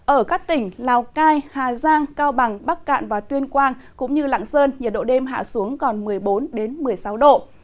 ở các tỉnh lào cai hà giang cao bằng bắc cạn và tuyên quang cũng như lạng sơn nhiệt độ đêm hạ xuống còn một mươi bốn một mươi sáu độ